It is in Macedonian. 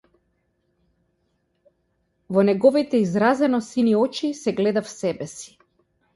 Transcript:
Во неговите изразено сини очи се гледав себеси.